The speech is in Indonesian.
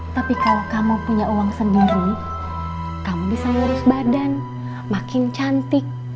tapi kalau kamu punya uang sendiri kamu bisa mengurus badan makin cantik